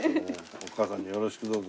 お母さんによろしくどうぞ。